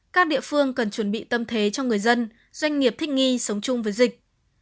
các địa phương cần chuẩn bị tâm thế cho người dân doanh nghiệp thích nghi sống chung với dịch